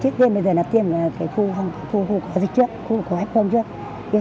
trước tiên bây giờ là tiêm khu có dịch trước khu có f một trước